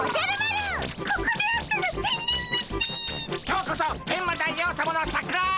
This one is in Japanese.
今日こそエンマ大王さまのシャクを。